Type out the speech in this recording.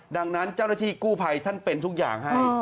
ดังนั้นเจ้าหน้าที่กู้ภัยท่านเป็นทุกอย่างให้